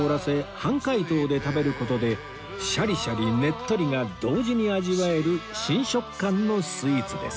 半解凍で食べる事でシャリシャリねっとりが同時に味わえる新食感のスイーツです